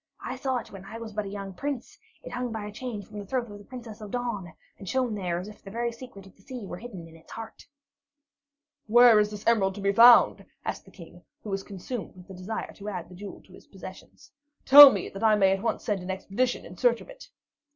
I saw it when I was but a young prince; it hung by a chain from the throat of the Princess of the Dawn, and shone there as if the very secret of the sea were hidden in its heart." "Where is this emerald to be found?" asked the King, who was consumed with the desire to add the jewel to his possessions. "Tell me, that I may at once send an expedition in search of it."